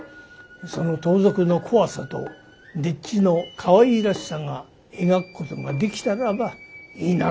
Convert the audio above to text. その盗賊の怖さと丁稚のかわいらしさが描くことができたらばいいなとは思ってるんです。